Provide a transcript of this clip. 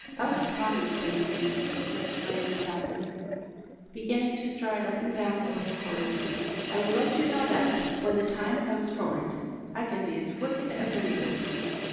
"Out upon you, Ben Greenway!" exclaimed the captain, beginning to stride up and down the little quarter deck. "I will let you know, that when the time comes for it, I can be as wicked as anybody."